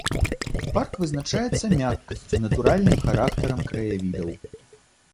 Парк вызначаецца мяккасцю, натуральным характарам краявідаў.